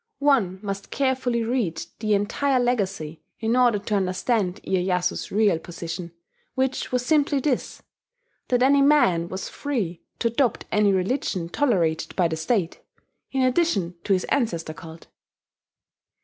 One must carefully read the entire Legacy in order to understand Iyeyasu's real position, which was simply this: that any man was free to adopt any religion tolerated by the State, in addition to his ancestor cult.